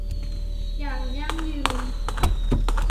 อย่างยั่งยืน